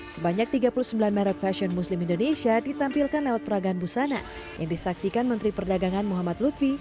sebanyak tiga puluh sembilan merek fashion muslim indonesia ditampilkan lewat peragaan busana yang disaksikan menteri perdagangan muhammad lutfi